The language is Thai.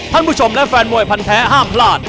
ท่านผู้ชมและแฟนมวยพันแท้ห้ามพลาด